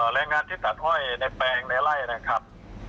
แรงงานที่ตัดห้อยในแปลงในไล่นะครับ